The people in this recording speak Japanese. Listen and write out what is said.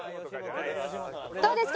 どうですか？